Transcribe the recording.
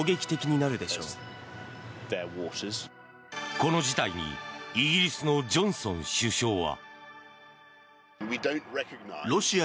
この事態にイギリスのジョンソン首相は。